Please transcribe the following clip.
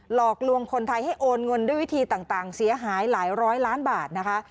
หลอกลวงคนไทยให้โอนเงินด้วยวิธีต่างเสียหายหลายร้อยล้านบาทนะคะ